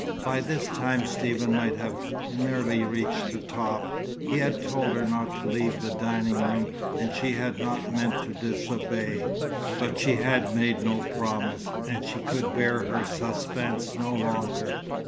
By this time Stephen might have nearly reached the top. He had told her not to leave the dining room, and she had not meant to disobey; but she had made no promise, and she could bear her suspense no longer.